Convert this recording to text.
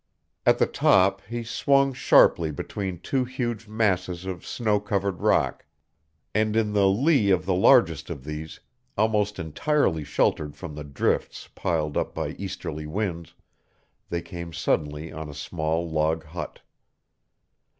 At the top he swung sharply between two huge masses of snow covered rock, and in the lee of the largest of these, almost entirely sheltered from the drifts piled up by easterly winds, they came suddenly on a small log hut.